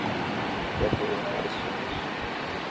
Ele atuou em vários filmes.